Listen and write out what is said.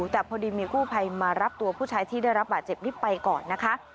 แต่พอดีมีกู้ภัยมารับตัวผู้ชายที่ได้รับบาดเจ็บนี้ไปก่อนนะคะ